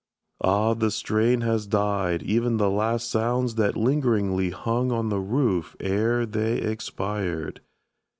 Ah, the strain Has died ev'n the last sounds that lingeringly Hung on the roof ere they expired!